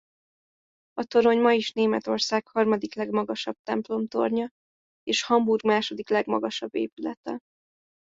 A torony ma is Németország harmadik legmagasabb templomtornya és Hamburg második legmagasabb épülete.